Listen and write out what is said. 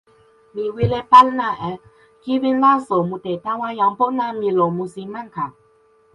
mi wile pana e kiwen laso mute tawa jan pona mi lon musi Manka.